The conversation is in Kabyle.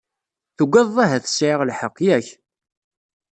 Tugadeḍ ahat sɛiɣ lḥeqq, yak?